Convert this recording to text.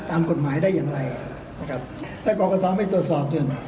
ตามกฎหมายได้อย่างไรนะครับถ้ากรกตไม่ตรวจสอบเถอะ